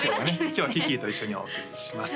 今日はきっきーと一緒にお送りします